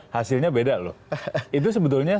hasilnya beda itu sebetulnya